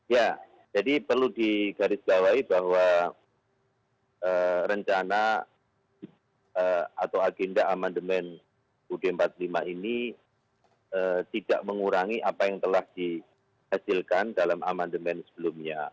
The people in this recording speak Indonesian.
ya jadi perlu digarisbawahi bahwa rencana atau agenda amandemen ud empat puluh lima ini tidak mengurangi apa yang telah dihasilkan dalam amandemen sebelumnya